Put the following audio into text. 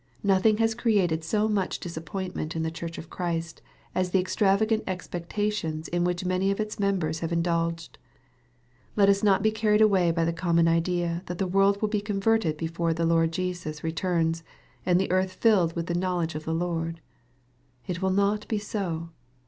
Nothing has created so much disappointment in the Church of Christ, as the extravagant expectations in which many of its members have indulged. Let us not be earned away by the common idea, that the world will be converted before the Lord Jesus returns, and the earth filled with the knowledge of the Lord. It will not be so.